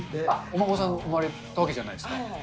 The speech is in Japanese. お孫さん産まれたわけじゃないですか。